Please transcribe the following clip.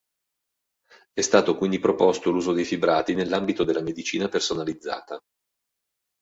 È stato quindi proposto l'uso dei fibrati nell'ambito della medicina personalizzata.